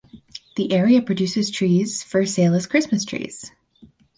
The area produces trees for sale as christmas trees.